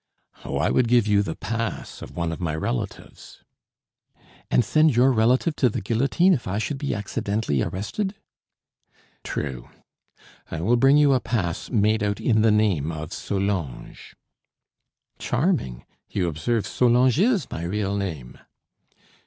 "Oh, I would give you the pass of one of my relatives." "And send your relative to the guillotine if I should be accidentally arrested!" "True. I will bring you a pass made out in the name of Solange." "Charming! You observe Solange is my real name."